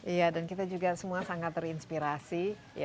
iya dan kita juga semua sangat terinspirasi